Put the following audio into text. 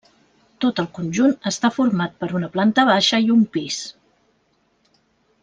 Tot el conjunt està format per una planta baixa i un pis.